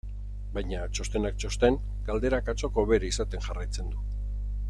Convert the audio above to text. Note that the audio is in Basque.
Baina, txostenak txosten, galderak atzoko bera izaten jarraitzen du.